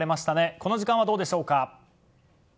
この時間はどうでしょうか。